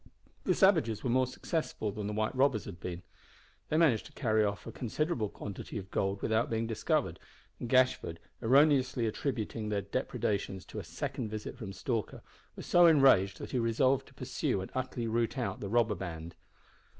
The savages were more successful than the white robbers had been. They managed to carry off a considerable quantity of gold without being discovered, and Gashford, erroneously attributing their depredations to a second visit from Stalker, was so enraged that he resolved to pursue and utterly root out the robber band.